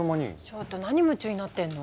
ちょっと何夢中になってんの？